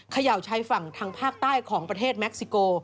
เขย่าชายฝั่งทางภาคใต้ของประเทศเม็กซิโก